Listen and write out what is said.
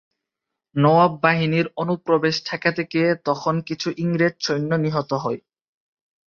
নওয়াব বাহিনীর অনুপ্রবেশ ঠেকাতে গিয়ে তখন কিছু ইংরেজ সৈন্য নিহত হয়।